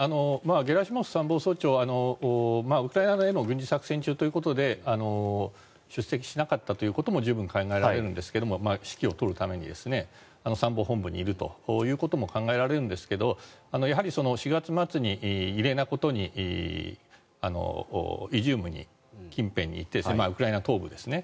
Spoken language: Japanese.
ゲラシモフ参謀総長はウクライナへ軍事作戦中ということで出席しなかったということも十分考えられるんですが指揮を執るために参謀本部にいるということも考えられるんですがやはり４月末に、異例なことにイジューム近辺に行ってウクライナ東部ですね